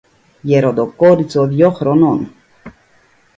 Γεροντοκόριτσο δυο χρονών!